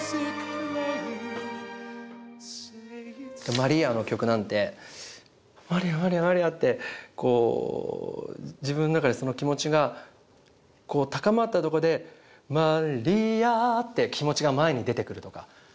「Ｍａｒｉａ」の曲なんてマリアマリアマリアってこう自分の中でその気持ちがこう高まったとこで「マリア」って気持ちが前に出てくるとか